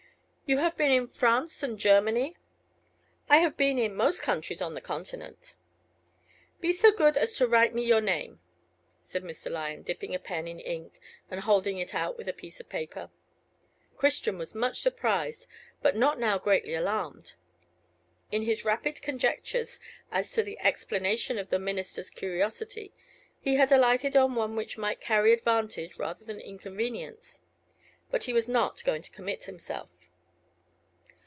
"You have been in France and in Germany?" "I have been in most countries on the continent." "Be so good as to write me your name," said Mr. Lyon, dipping a pen in ink, and holding it out with a piece of paper. Christian was much surprised, but not now greatly alarmed. In his rapid conjectures as to the explanation of the minister's curiosity, he had alighted on one which might carry advantage rather than inconvenience. But he was not going to commit himself.